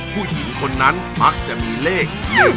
ผู้หญิงคนนั้นมักจะมีเลข